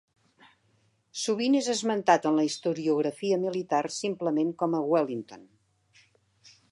Sovint és esmentat en la historiografia militar simplement com a Wellington.